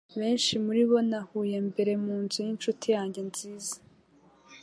Benshi muribo nahuye mbere munzu yinshuti yanjye nziza,